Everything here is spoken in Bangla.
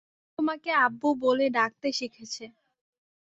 তোমাকে আব্বু বলে ডাকতে শিখেছে।